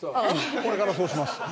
これからそうします。